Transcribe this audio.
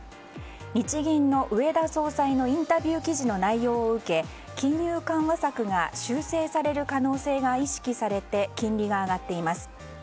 日銀の植田総裁のインタビュー記事の内容を受け金融緩和策が修正される可能性が意識されて金利が上がっています。